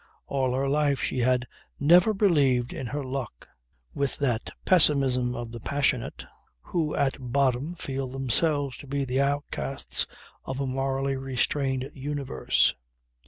All her life she had never believed in her luck, with that pessimism of the passionate who at bottom feel themselves to be the outcasts of a morally restrained universe.